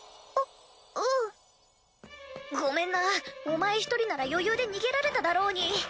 おおうごめんなお前１人なら余裕で逃げられただろうに。